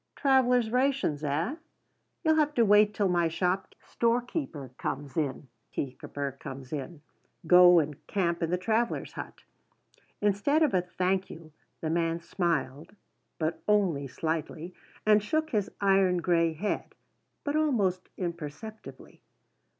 "Travellers' rations, eh? You'll have to wait till my storekeeper comes in. Go and camp in the travellers' hut." Instead of a thank you the man smiled but only slightly and shook his iron grey head but almost imperceptibly.